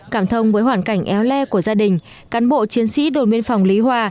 cảm thông với hoàn cảnh éo le của gia đình cán bộ chiến sĩ đồn biên phòng lý hòa